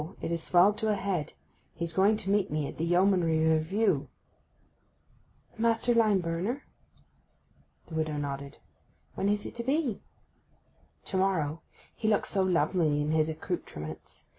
It has swelled to a head; he is going to meet me at the Yeomanry Review.' 'The master lime burner?' The widow nodded. 'When is it to be?' 'To morrow. He looks so lovely in his accoutrements!